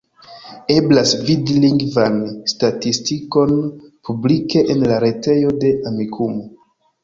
Eblas vidi lingvan statistikon publike en la retejo de Amikumu.